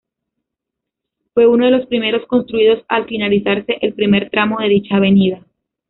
Fue uno de los primeros construidos al finalizarse el primer tramo de dicha avenida.